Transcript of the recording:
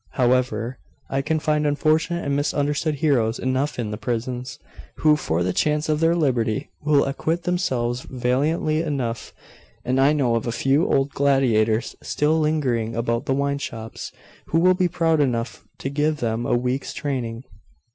However, I can find unfortunate and misunderstood heroes enough in the prisons, who, for the chance of their liberty, will acquit themselves valiantly enough; and I know of a few old gladiators still lingering about the wine shops, who will be proud enough to give them a week's training.